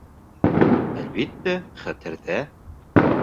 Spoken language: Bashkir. Әлбиттә, хәтерҙә.